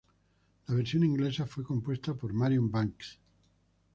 La versión inglesa fue compuesta por Marion Banks.